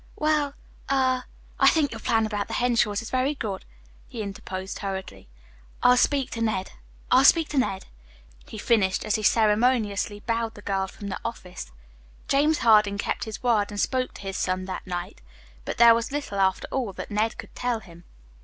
"Eh? Well er, I think your plan about the Henshaws is very good," he interposed hurriedly. "I'll speak to Ned I'll speak to Ned," he finished, as he ceremoniously bowed the girl from the office. James Harding kept his word, and spoke to his son that night; but there was little, after all, that Ned could tell him.